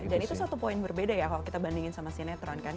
dan itu satu poin berbeda ya kalau kita bandingin sama sinetron kan